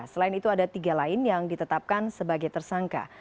selain itu ada tiga lain yang ditetapkan sebagai tersangka